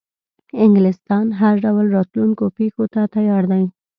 انګلیسیان هر ډول راتلونکو پیښو ته تیار دي.